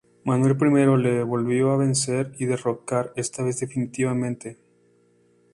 Manuel I le volvió a vencer y derrocar, esta vez definitivamente.